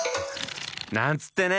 なんつってね！